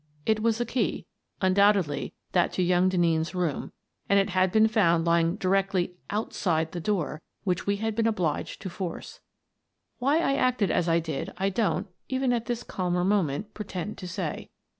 It was a key, undoubtedly that to young Den neen's room, and it had been found lying directly outside the door which we had been obliged to force ; Why I acted as I did I don't, even at this calmer moment, pretend to say.